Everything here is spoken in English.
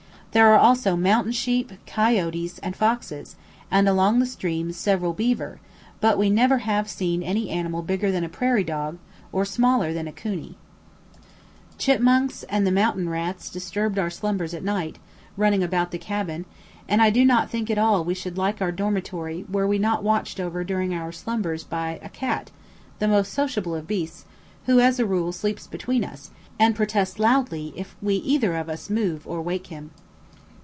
There are also mountain sheep, coyotes, and foxes, and along the streams several beaver; but we never have seen any animal bigger than a prairie dog, or smaller than a coney. Chipmunks and the mountain rats disturbed our slumbers at night, running about the cabin, and I do not at all think we should like our dormitory were we not watched over during our slumbers by a cat, the most sociable of beasts, who as a rule sleeps between us, and protests loudly if we either of us move or wake him.